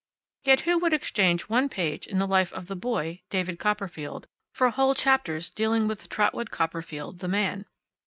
Yet who would exchange one page in the life of the boy, David Copperfield, for whole chapters dealing with Trotwood Copperfield, the man?